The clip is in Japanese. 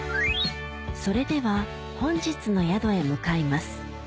それでは本日の宿へ向かいます